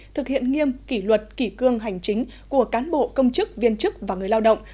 thực hiện nghiêm kỷ luật kỷ cương hành chính của cán bộ công chức viên chức và người lao động